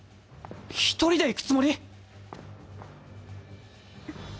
一人で行くつもり⁉うん。